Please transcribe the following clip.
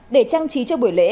để trang trí cho buổi lễ